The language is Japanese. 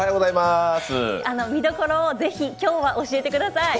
見どころをぜひ今日は教えてください。